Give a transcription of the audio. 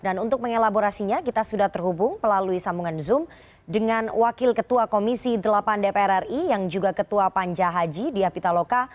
dan untuk mengelaborasinya kita sudah terhubung melalui sambungan zoom dengan wakil ketua komisi delapan dpr ri yang juga ketua panja haji di apitaloka